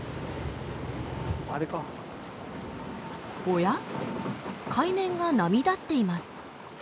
おやっ海面が波立っています。